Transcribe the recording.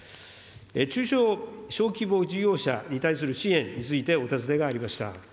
中小・小規模事業者に対する支援についてお尋ねがありました。